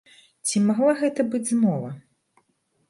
Ці магла гэта быць змова?